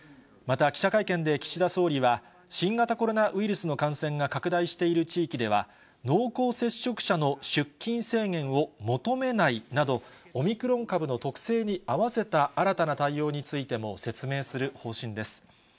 また、記者会見で岸田総理は、新型コロナウイルスの感染が拡大している地域では、濃厚接触者の出勤制限を求めないなど、オミクロン株の特性に合わせた新たな対応についても説明する方針です。